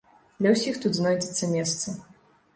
Для ўсіх тут знойдзецца месца.